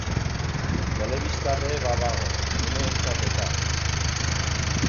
Telebista be badago, umeentzat eta.